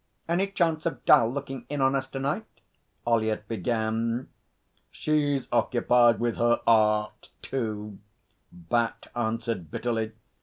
'Any chance of 'Dal looking in on us to night?' Ollyett began. 'She's occupied with her Art too,' Bat answered bitterly.